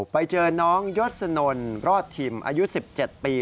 ไปเจอน้องยศนนรอดทิมอายุ๑๗ปี